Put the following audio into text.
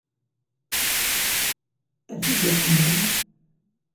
Ad t-id-uqmen?